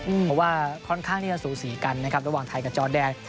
เพราะว่าค่อนข้างที่จะสูสีกันนะครับระหว่างไทยกับจอแดน